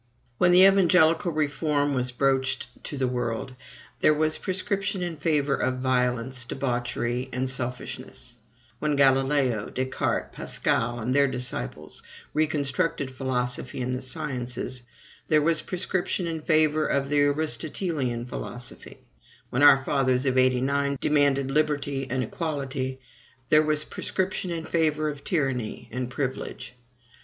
When the evangelical reform was broached to the world, there was prescription in favor of violence, debauchery, and selfishness; when Galileo, Descartes, Pascal, and their disciples reconstructed philosophy and the sciences, there was prescription in favor of the Aristotelian philosophy; when our fathers of '89 demanded liberty and equality, there was prescription in favor of tyranny and privilege.